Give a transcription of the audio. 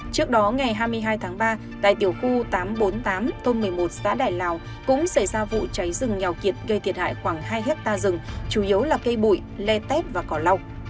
trước đó ngày hai mươi hai tháng ba tại tiểu khu tám trăm bốn mươi tám thôn một mươi một xã đại lào cũng xảy ra vụ cháy rừng nghèo kiệt gây thiệt hại khoảng hai hectare rừng chủ yếu là cây bụi le tét và cỏ lâu